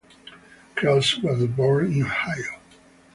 Cross was born in Ohio.